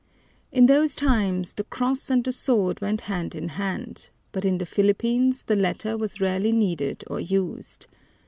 In those times the cross and the sword went hand in hand, but in the Philippines the latter was rarely needed or used.